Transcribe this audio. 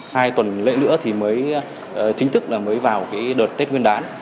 hai tuần lễ nữa thì mới chính thức là mới vào cái đợt tết nguyên đán